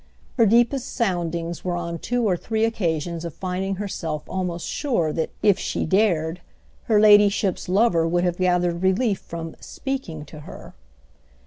Her deepest soundings were on two or three occasions of finding herself almost sure that, if she dared, her ladyship's lover would have gathered relief from "speaking" to her.